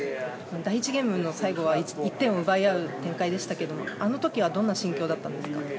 第１ゲームの最後は１点を奪い合う展開でしたけれどもあの時はどんな心境だったんですか？